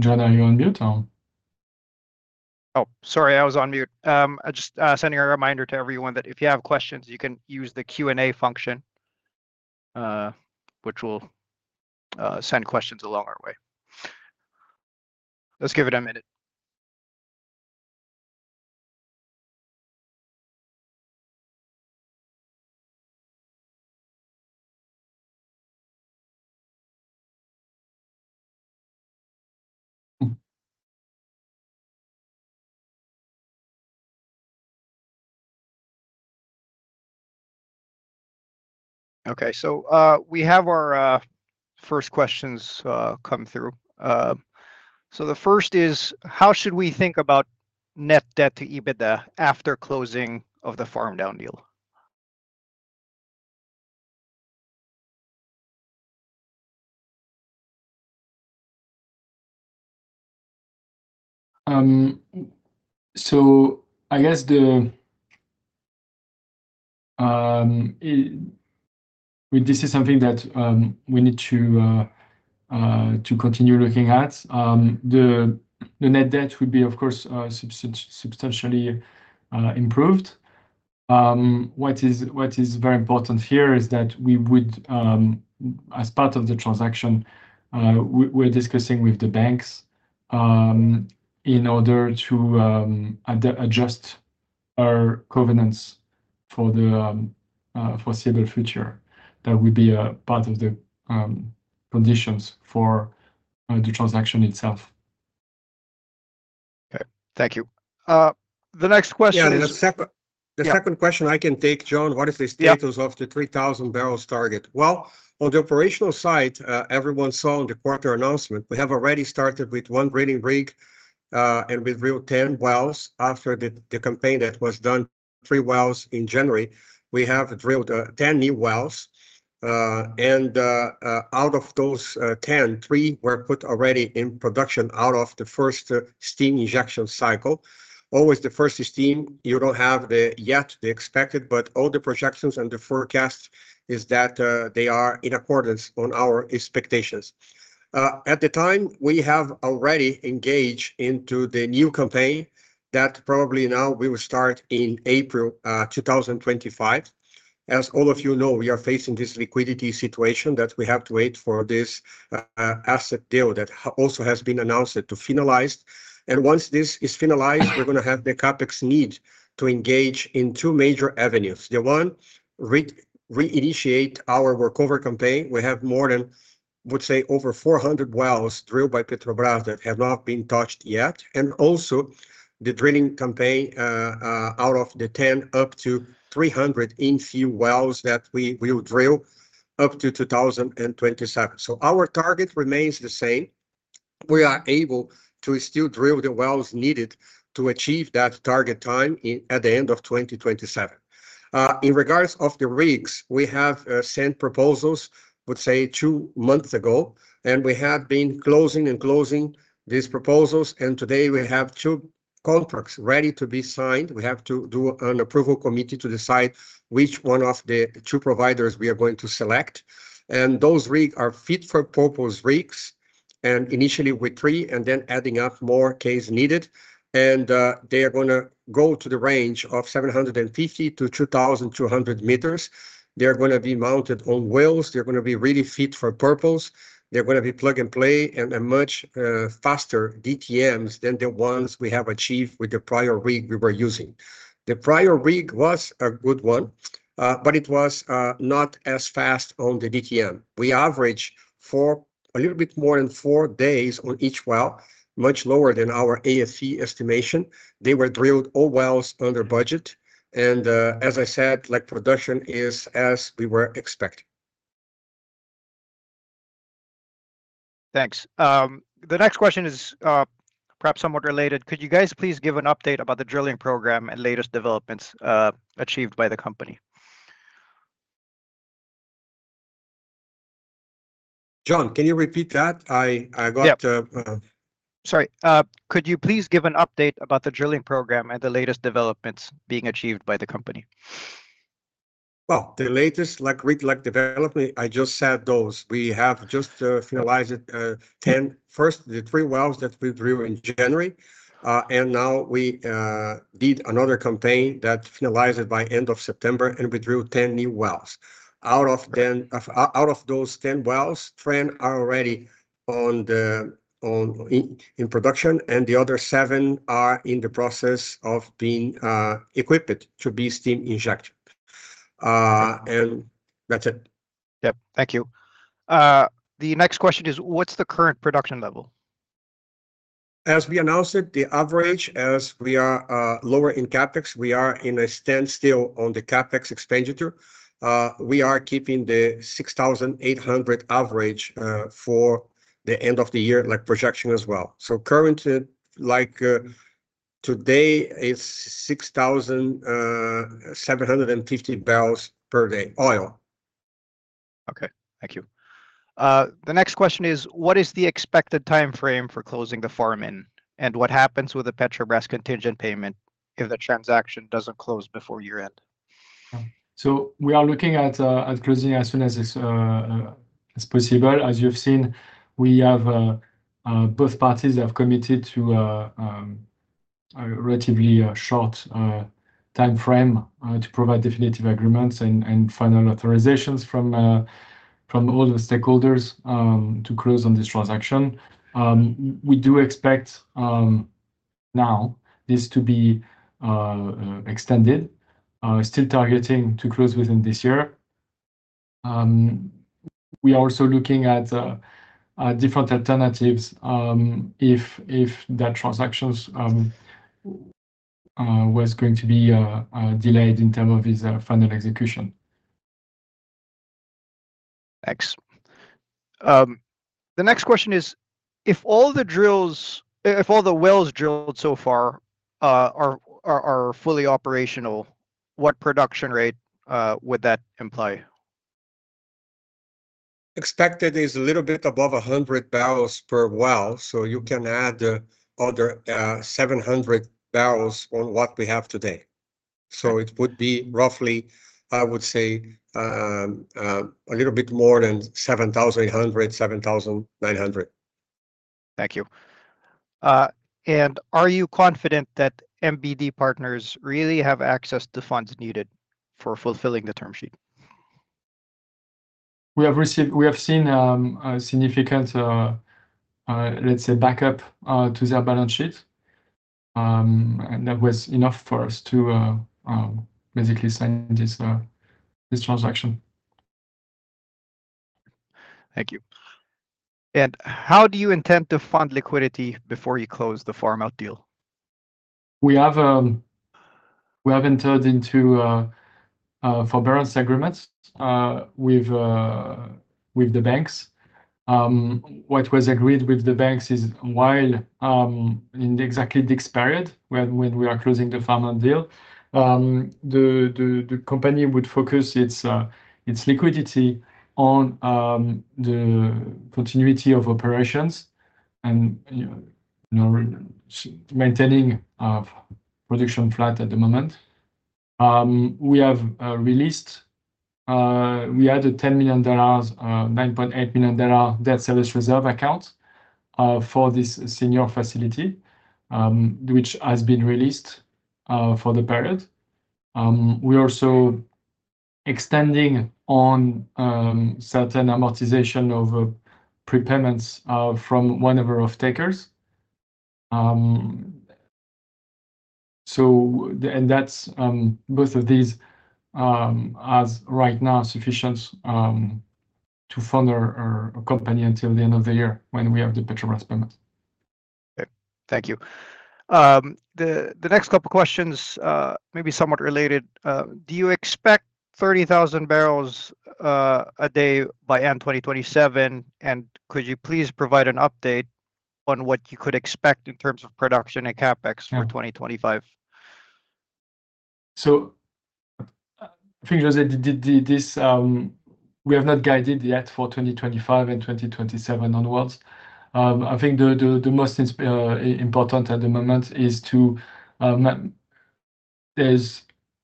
John, are you on mute? Oh, sorry, I was on mute. I'm just sending a reminder to everyone that if you have questions, you can use the Q&A function, which will send questions along our way. Let's give it a minute. Okay, so we have our first questions come through. So the first is, how should we think about net debt to EBITDA after closing of the farm-down deal? So I guess this is something that we need to continue looking at. The net debt would be, of course, substantially improved. What is very important here is that we would, as part of the transaction, we're discussing with the banks in order to adjust our covenants for the foreseeable future. That would be part of the conditions for the transaction itself. Okay, thank you. The next question is. Yeah, the second question I can take, John. What is the status of the 3,000 barrels target? Well, on the operational side, everyone saw in the quarter announcement, we have already started with one drilling rig and with drilled 10 wells. After the campaign that was done, three wells in January, we have drilled 10 new wells. And out of those 10, three were put already in production out of the first steam injection cycle. Always the first steam, you don't have yet the expected, but all the projections and the forecast is that they are in accordance on our expectations. At the time, we have already engaged into the new campaign that probably now we will start in April 2025. As all of you know, we are facing this liquidity situation that we have to wait for this asset deal that also has been announced to finalize. Once this is finalized, we're going to have the CapEx need to engage in two major avenues. The one, reinitiate our workover campaign. We have more than, I would say, over 400 wells drilled by Petrobras that have not been touched yet. Also the drilling campaign out of the 10 up to 300 infill wells that we will drill up to 2027. Our target remains the same. We are able to still drill the wells needed to achieve that target time at the end of 2027. In regards to the rigs, we have sent proposals, I would say, two months ago, and we have been closing and closing these proposals. Today we have two contracts ready to be signed. We have to do an approval committee to decide which one of the two providers we are going to select. Those rigs are fit-for-purpose rigs, and initially with three and then adding up more case needed. They are going to go to the range of 750 to 2,200 meters. They are going to be mounted on wells. They're going to be really fit for purpose. They're going to be plug and play and much faster DTMs than the ones we have achieved with the prior rig we were using. The prior rig was a good one, but it was not as fast on the DTM. We averaged a little bit more than four days on each well, much lower than our AFE estimation. They were drilled all wells under budget. As I said, production is as we were expecting. Thanks. The next question is perhaps somewhat related. Could you guys please give an update about the drilling program and latest developments achieved by the company? John, can you repeat that? I got the. Yeah. Sorry. Could you please give an update about the drilling program and the latest developments being achieved by the company? The latest development, I just said those. We have just finalized 10, first, the three wells that we drilled in January. Now we did another campaign that finalized by end of September, and we drilled 10 new wells. Out of those 10 wells, 10 are already in production, and the other seven are in the process of being equipped to be steam injected. That's it. Yep, thank you. The next question is, what's the current production level? As we announced it, the average, as we are lower in CapEx, we are in a standstill on the CapEx expenditure. We are keeping the 6,800 average for the end of the year projection as well, so currently, today, it's 6,750 barrels per day oil. Okay, thank you. The next question is, what is the expected timeframe for closing the farm in, and what happens with the Petrobras contingent payment if the transaction doesn't close before year-end? So we are looking at closing as soon as possible. As you've seen, both parties have committed to a relatively short timeframe to provide definitive agreements and final authorizations from all the stakeholders to close on this transaction. We do expect now this to be extended, still targeting to close within this year. We are also looking at different alternatives if that transaction was going to be delayed in terms of its final execution. Thanks. The next question is, if all the wells drilled so far are fully operational, what production rate would that imply? Expected is a little bit above 100 barrels per well. So you can add other 700 barrels on what we have today. So it would be roughly, I would say, a little bit more than 7,800, 7,900. Thank you. And are you confident that MBD Partners really have access to funds needed for fulfilling the term sheet? We have seen a significant, let's say, backup to their balance sheet, and that was enough for us to basically sign this transaction. Thank you. And how do you intend to fund liquidity before you close the farm-out deal? We have entered into forbearance agreements with the banks. What was agreed with the banks is while in exactly this period when we are closing the farm-down deal, the company would focus its liquidity on the continuity of operations and maintaining production flat at the moment. We have released. We had a $10 million, $9.8 million debt service reserve account for this senior facility, which has been released for the period. We are also extending on certain amortization of prepayments from one of our off-takers. So both of these are right now sufficient to fund our company until the end of the year when we have the Petrobras payments. Okay, thank you. The next couple of questions may be somewhat related. Do you expect 30,000 barrels a day by end 2027? And could you please provide an update on what you could expect in terms of production and CapEx for 2025? So I think we have not guided yet for 2025 and 2027 onwards. I think the most important at the moment is to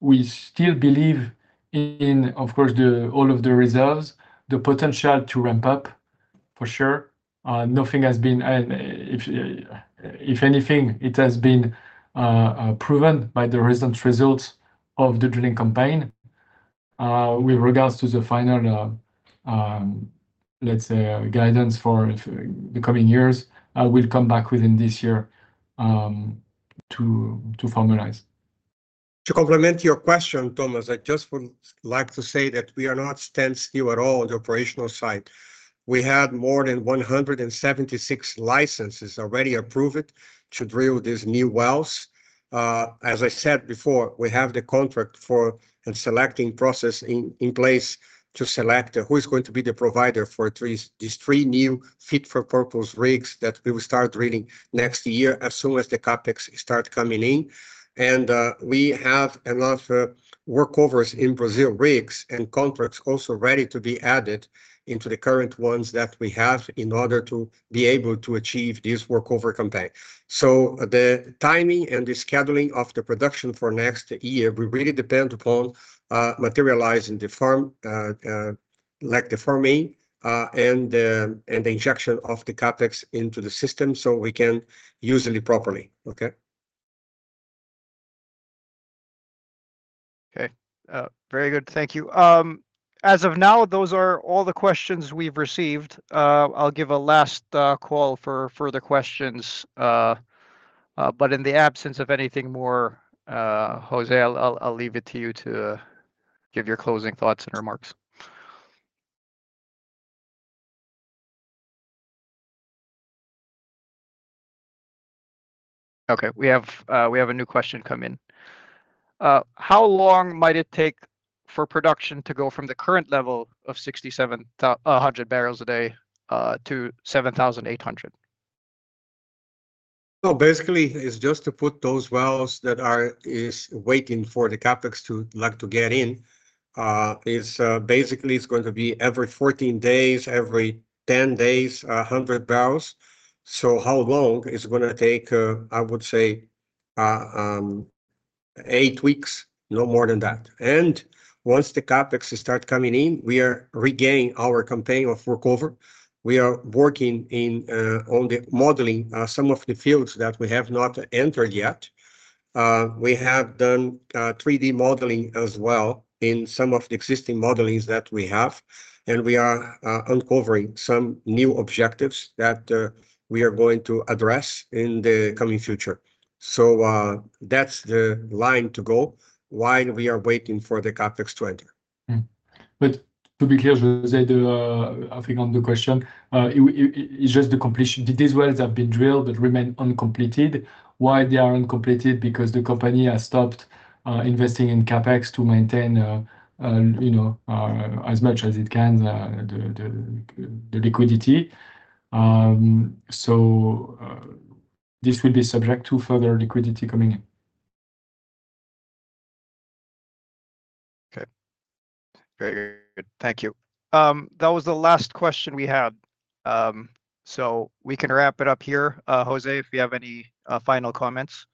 we still believe in, of course, all of the reserves, the potential to ramp up for sure. Nothing has been, if anything, it has been proven by the recent results of the drilling campaign. With regards to the final, let's say, guidance for the coming years, I will come back within this year to formalize. To complement your question, Thomas, I just would like to say that we are not standing still at all on the operational side. We had more than 176 licenses already approved to drill these new wells. As I said before, we have the contracting and selecting process in place to select who is going to be the provider for these three new fit-for-purpose rigs that we will start drilling next year as soon as the CapEx starts coming in. And we have enough workovers, in-Brazil rigs, and contracts also ready to be added into the current ones that we have in order to be able to achieve this workover campaign. So the timing and the scheduling of the production for next year, we really depend upon materializing the farm-in, and the injection of the CapEx into the system so we can use it properly. Okay? Okay. Very good. Thank you. As of now, those are all the questions we've received. I'll give a last call for further questions. But in the absence of anything more, José, I'll leave it to you to give your closing thoughts and remarks. Okay, we have a new question come in. How long might it take for production to go from the current level of 6,700 barrels a day to 7,800? So basically, it's just to put those wells that are waiting for the CapEx to get in. Basically, it's going to be every 14 days, every 10 days, 100 barrels. So how long is it going to take? I would say eight weeks, no more than that. And once the CapEx starts coming in, we are regaining our campaign of workover. We are working on modeling some of the fields that we have not entered yet. We have done 3D modeling as well in some of the existing modelings that we have. And we are uncovering some new objectives that we are going to address in the coming future. So that's the line to go while we are waiting for the CapEx to enter. But to be clear, José, I think on the question, it's just the completion. These wells have been drilled but remain uncompleted. Why they are uncompleted? Because the company has stopped investing in CapEx to maintain as much as it can, the liquidity. So this will be subject to further liquidity coming in. Okay. Very good. Thank you. That was the last question we had. So we can wrap it up here. José, if you have any final comments.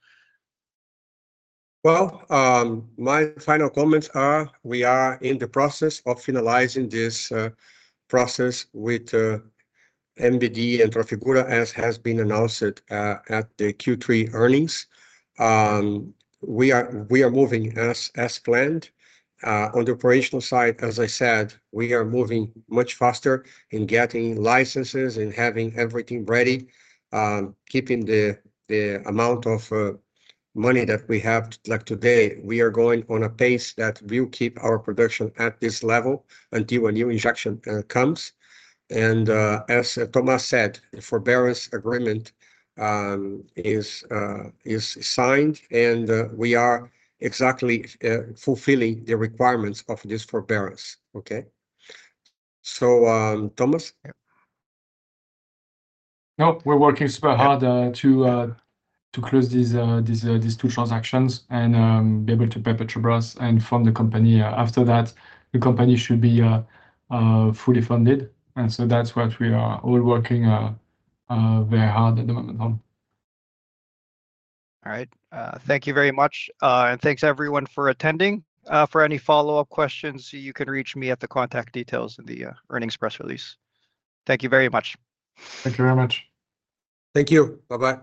My final comments are, we are in the process of finalizing this process with MBD and Trafigura, as has been announced at the Q3 earnings. We are moving as planned. On the operational side, as I said, we are moving much faster in getting licenses and having everything ready, keeping the amount of money that we have today. We are going on a pace that will keep our production at this level until a new injection comes. As Thomas said, the forbearance agreement is signed, and we are exactly fulfilling the requirements of this forbearance. Okay? So Thomas. No, we're working super hard to close these two transactions and be able to pay Petrobras and fund the company. After that, the company should be fully funded, and so that's what we are all working very hard at the moment on. All right. Thank you very much. And thanks, everyone, for attending. For any follow-up questions, you can reach me at the contact details in the earnings press release. Thank you very much. Thank you very much. Thank you. Bye-bye. Bye.